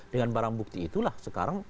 dengan barang bukti itulah sekarang